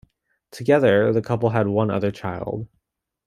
Together, the couple had one other child.